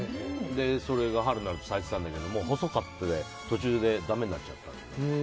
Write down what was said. それが春になると咲いてたんだけど、もう細くて途中でだめになっちゃった。